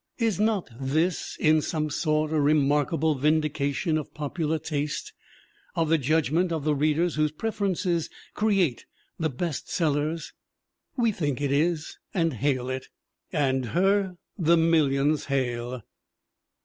Is not this in some sort a re markable vindication of popular taste, of the judgment of the readers whose preferences create the "best sell ers"? We think it is and hail it. And her the millions hail.